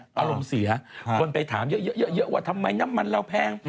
อารมณ์เสียคนไปถามเยอะว่าทำไมน้ำมันเราแพง